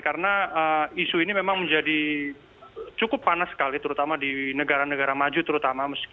karena isu ini memang menjadi cukup panas sekali terutama di negara negara maju terutama